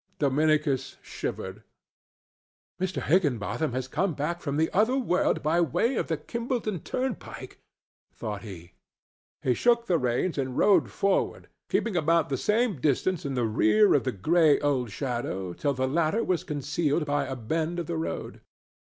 Dominicus shivered. "Mr. Higginbotham has come back from the other world by way of the Kimballton turnpike," thought he. He shook the reins and rode forward, keeping about the same distance in the rear of the gray old shadow till the latter was concealed by a bend of the road.